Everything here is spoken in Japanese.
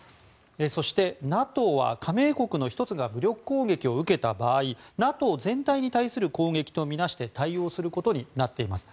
そして、ＮＡＴＯは加盟国の１つが武力攻撃を受けた場合ＮＡＴＯ全体に対する攻撃と見なして対応することになっています。